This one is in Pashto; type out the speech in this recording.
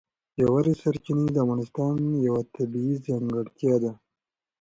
ژورې سرچینې د افغانستان یوه طبیعي ځانګړتیا ده.